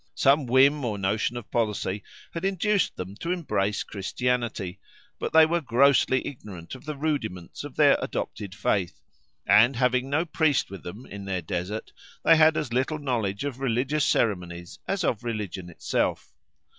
Some whim or notion of policy had induced them to embrace Christianity; but they were grossly ignorant of the rudiments of their adopted faith, and having no priest with them in their desert, they had as little knowledge of religious ceremonies as of religion itself.